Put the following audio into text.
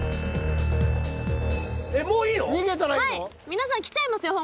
皆さん来ちゃいますよ。